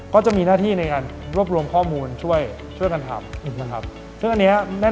ก็จะมีหน้าที่ในการรวบรวมข้อมูลช่วยช่วยคนทำ